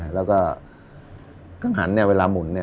แล้วก็กังหันเวลาหมุน